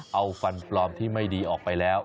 ให้ฟันปลอมออกไปแล้ว